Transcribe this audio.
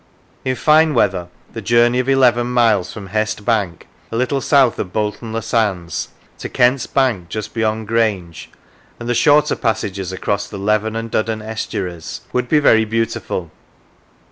In fine weather the journey of eleven miles from Hest Bank, a little south of Bolton le Sands, to Kent's Bank just beyond Grange, and the shorter passages across the Leven and Duddon estuaries, would be very beautiful.